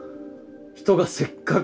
人がせっかく。